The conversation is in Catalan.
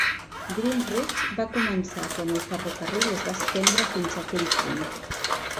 Greenridge va començar quan el ferrocarril es va estendre fins aquell punt.